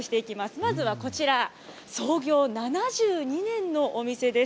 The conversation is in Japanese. まずはこちら、創業７２年のお店です。